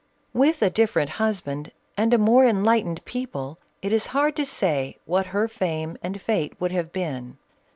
With a different husband and a more enlightened people, it is hard to say what her fame and fate would have been.